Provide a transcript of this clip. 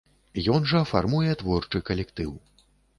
Ён жа фармуе творчы калектыў.